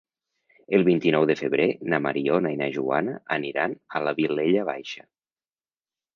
El vint-i-nou de febrer na Mariona i na Joana aniran a la Vilella Baixa.